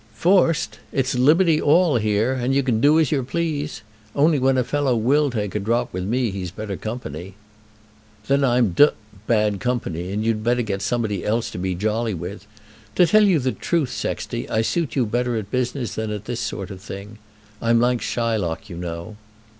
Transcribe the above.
"Forced! It's liberty 'all here, and you can do as you please. Only when a fellow will take a drop with me he's better company." "Then I'm d bad company, and you'd better get somebody else to be jolly with. To tell you the truth, Sexty, I suit you better at business than at this sort of thing. I'm like Shylock, you know."